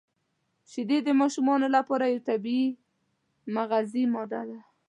• شیدې د ماشومانو لپاره یو طبیعي مغذي ماده ده.